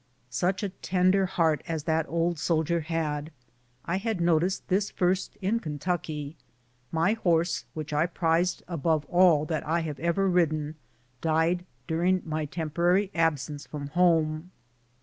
Such a tender heart as that old soldier had! I had noticed this first in Kentucky. My horse, which I prized above all that I have ever ridden, died during my temporary absence from home.